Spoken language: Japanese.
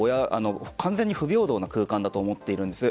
完全に不平等な空間だと思っているんです。